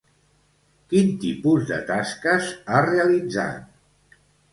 Quin tipus de tasques ha realitzat?